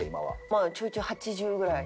まあちょいちょい８０ぐらい。